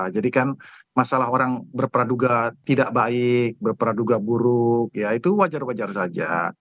jadi kan masalah orang berpraduga tidak baik berpraduga buruk ya itu wajar wajar saja